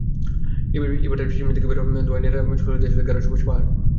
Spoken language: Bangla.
ইটভাটার চিমনি থেকে বের হওয়া ধোঁয়ায় ন্যাড়া হতে চলেছে গাঢ় সবুজ পাহাড়।